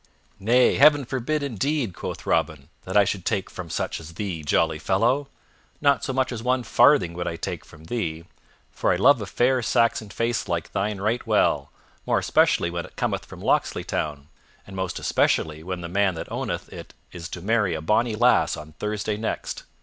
"Nay, Heaven forbid, indeed," quoth Robin, "that I should take from such as thee, jolly fellow! Not so much as one farthing would I take from thee, for I love a fair Saxon face like thine right well more especially when it cometh from Locksley Town, and most especially when the man that owneth it is to marry a bonny lass on Thursday next.